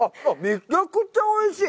めちゃくちゃおいしい！